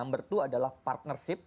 number two adalah partnership